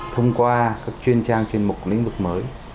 thông qua các chuyên trang chuyên mục lĩnh vực mới